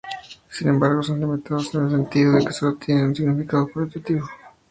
Sin embargo, son limitados en el sentido de que sólo tienen un significado cualitativo.